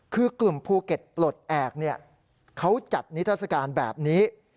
คือกลุ่มภูเก็ตปลดแอบเขาจัดนิทัศกาลแบบนี้